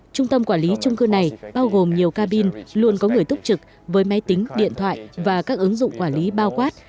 trung tâm quản lý trung cư này bao gồm nhiều cabin luôn có người túc trực với máy tính điện thoại và các ứng dụng quản lý bao quát